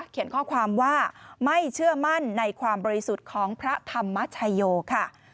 เขียนข้อความว่าไม่เชื่อมั่นในความบริสุทธิ์ของพระธรรมชโยค่ะ